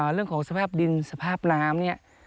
เรื่องของสภาพดินสภาพน้ำเนี่ย